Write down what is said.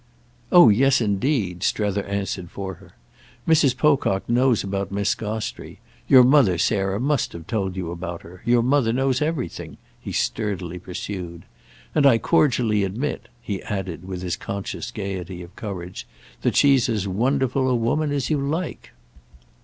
"Oh yes indeed," Strether answered for her, "Mrs. Pocock knows about Miss Gostrey. Your mother, Sarah, must have told you about her; your mother knows everything," he sturdily pursued. "And I cordially admit," he added with his conscious gaiety of courage, "that she's as wonderful a woman as you like."